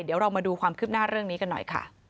เดี๋ยวเรามาดูความคืบหน้าเรื่องนี้กันหน่อยค่ะ